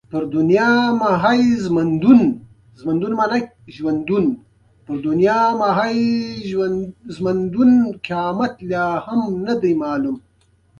د میدان وردګو زده ګړالیان راغلي پکتیکا مرکز ښرنی ته.